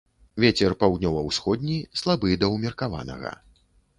Вецер паўднёва-ўсходні, слабы да ўмеркаванага.